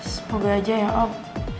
semoga aja ya om